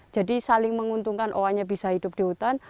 jadi saling menguntungkan oa nya bisa hidup di hutan